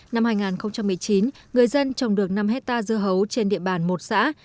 năm hai nghìn một mươi chín người dân trồng được năm hectare dưa hấu trên địa bàn một xã